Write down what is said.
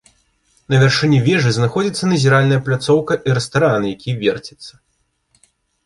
На вяршыні вежы знаходзіцца назіральная пляцоўка і рэстаран, які верціцца.